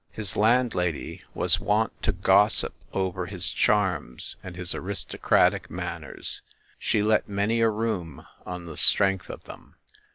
His landlady was wont to gossip over his charms and his aristocratic manners. She let many a room on the strength of them.